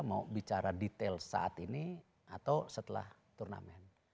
mau bicara detail saat ini atau setelah turnamen